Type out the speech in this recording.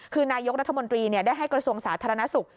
คือนายกรัฐมนตรีได้ให้กระทรวงสาธารณสุข